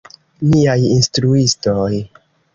Niaj instruistoj.